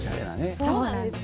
そうなんですよ。